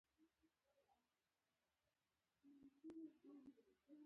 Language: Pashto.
د هغو عنصرونو اتومونه چې یو الکترون اخلي چارج یې منفي یو دی.